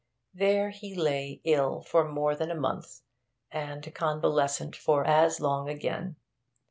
There he lay ill for more than a month, and convalescent for as long again.